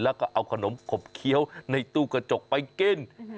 แล้วก็เอาขนมขบเคี้ยวในตู้กระจกไปกิน